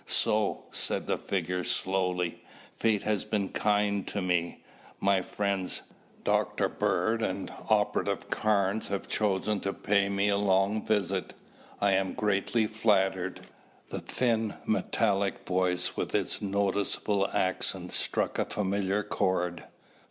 "So," said the figure slowly, "fate has been kind to me. My friends, Dr. Bird and Operative Carnes have chosen to pay me a long visit. I am greatly flattered." The thin metallic voice with its noticeable accent struck a familiar chord.